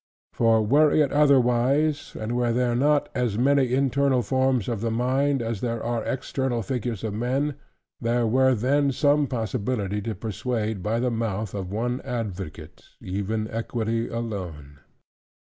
For were it otherwise; and were there not as many internal forms of the mind, as there are external figures of men; there were then some possibility to persuade by the mouth of one advocate, even equity alone.